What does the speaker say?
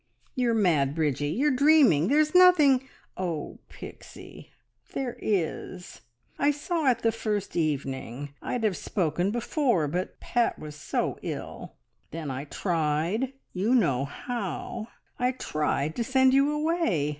You're mad, Bridgie! You're dreaming! There's nothing..." "Oh, Pixie, there is! I saw it the first evening. I'd have spoken before, but Pat was so ill. Then I tried you know how. I tried! to send you away.